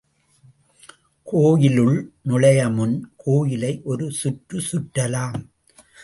கோயிலுள் நுழையுமுன் கோயிலை ஒரு சுற்று சுற்றலாம்.